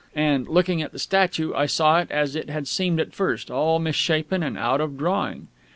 And, looking at the statue, I saw it as it had seemed at first all misshapen and out of drawing.